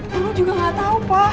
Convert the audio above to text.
lu juga gak tau pa